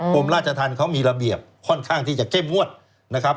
กรมราชธรรมเขามีระเบียบค่อนข้างที่จะเข้มงวดนะครับ